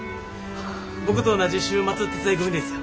僕と同じ週末手伝い組ですよ。